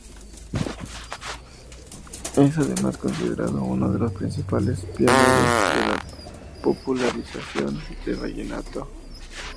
Es además considerado uno de los principales pioneros de la popularización del vallenato.